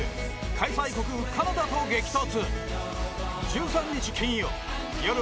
開催国カナダと激突